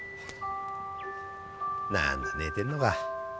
何だ寝てんのか。